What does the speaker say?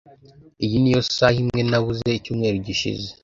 Iyi niyo saha imwe nabuze icyumweru gishize.